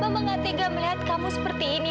mama gak tega melihat kamu seperti ini